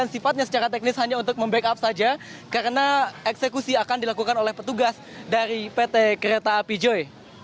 dan sifatnya secara teknis hanya untuk membackup saja karena eksekusi akan dilakukan oleh petugas dari pt kereta api joy